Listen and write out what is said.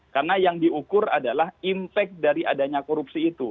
karena yang diukur adalah impact dari adanya korupsi itu